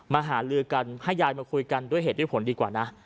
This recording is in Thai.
หาลือกันให้ยายมาคุยกันด้วยเหตุด้วยผลดีกว่านะ